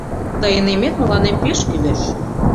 Тыйын эмет мыланем пеш кӱлеш...